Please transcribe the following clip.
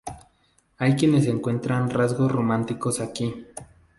Hay quienes encuentran rasgos románticos aquí.